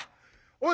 おい！